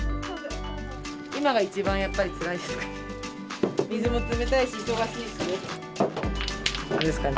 今が一番やっぱりつらいですかね。